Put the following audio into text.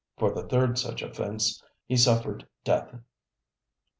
For the third such offence he suffered death.